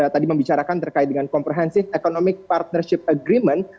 tadi membicarakan terkait dengan comprehensive economic partnership agreement